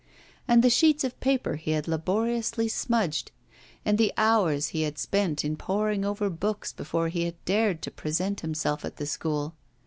And the sheets of paper he had laboriously smudged, and the hours he had spent in poring over books before he had dared to present himself at the School!